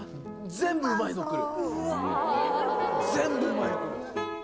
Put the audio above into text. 全部うまいのくる！